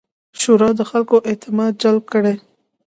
شورا د خلکو اعتماد جلب کړي.